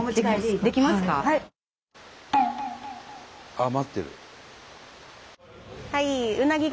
あっ待ってる。